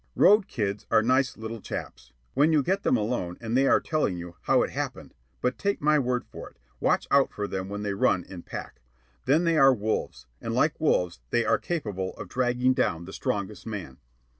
Road kids are nice little chaps when you get them alone and they are telling you "how it happened"; but take my word for it, watch out for them when they run in pack. Then they are wolves, and like wolves they are capable of dragging down the strongest man.